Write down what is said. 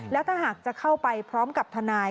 แล้วถ้าหากจะเข้าไปพร้อมกับทนาย